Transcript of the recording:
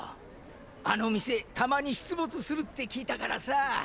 あの店たまに出没するって聞いたからさあ。